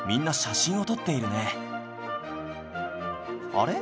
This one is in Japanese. あれ？